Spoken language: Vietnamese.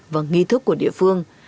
và nghi thức của địa phương